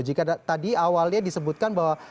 jika tadi awalnya disebutkan bahwa